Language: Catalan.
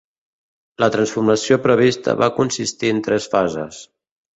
La transformació prevista va consistir en tres fases.